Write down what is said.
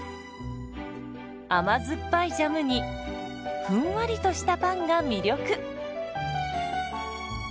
甘酸っぱいジャムにふんわりとしたパンが魅力。